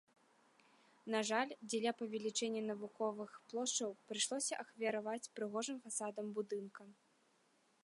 На жаль, дзеля павелічэння навучальных плошчаў прыйшлося ахвяраваць прыгожым фасадам будынка.